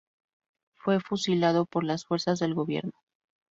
Fue fusilado por las fuerzas del Gobierno.